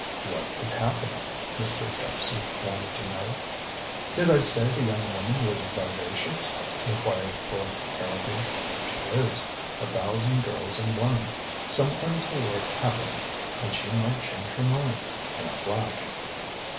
"What could happen?" Mr. Jephson wanted to know. "Did I say the young woman was vivacious?" inquired Lord Harrowby. "She is. A thousand girls in one. Some untoward happening, and she might change her mind in a flash."